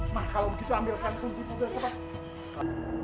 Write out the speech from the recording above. nah kalau begitu ambilkan kunci dulu cepat